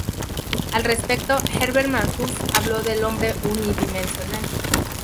Al respecto Herbert Marcuse habló de "El hombre unidimensional".